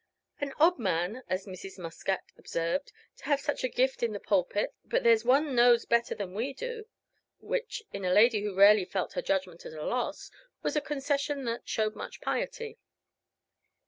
("An odd man," as Mrs. Muscat observed, "to have such a gift in the pulpit. But there's One knows better than we do " which, in a lady who rarely felt her judgment at a loss, was a concession that showed much piety.)